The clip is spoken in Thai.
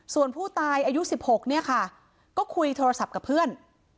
ส่วนผู้ตายอายุ๑๖เนี่ยค่ะก็คุยโทรศัพท์กับเพื่อน